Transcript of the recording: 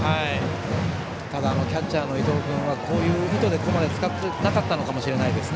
ただキャッチャーの伊藤君はこういう意図でここまで使っていなかったかもしれないです。